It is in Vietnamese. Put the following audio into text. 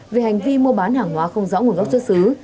về hành vi mua bán hàng hóa không rõ nguồn gốc xuất xứ